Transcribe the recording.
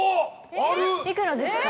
いくらですか？